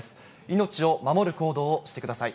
命を守る行動をしてください。